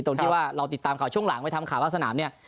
ตรงที่ว่าเราติดตามข่าวช่วงหลังไปทำข่าวว่าสนามเนี่ย